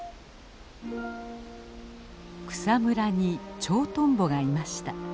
草むらにチョウトンボがいました。